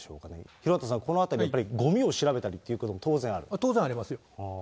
廣畑さん、このあたり、やっぱりごみを調べたりということも当然当然ありますよ。